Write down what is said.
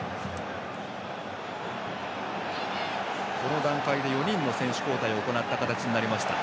この段階で４人の選手交代を行った形になりました。